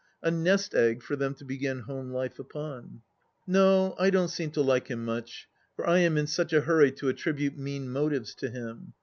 A nest egg for them to begin home life upon 1 No, I don't seem to like him much, for I am in such a hurry to attribute mean motives to him.